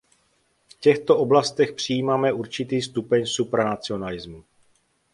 V těchto oblastech přijímáme určitý stupeň supranacionalismu.